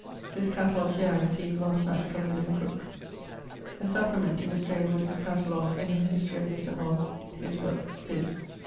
This catalogue here I received last night from William Crooke. A supplement to Mr. A. Wood's catalogue (in his 'History') of Mr. Hobbes his workes: viz.